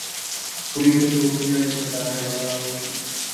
کوئی تو روکنے اور بتانے والا ہو۔